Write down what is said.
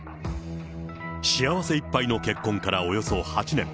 幸せいっぱいの結婚からおよそ８年。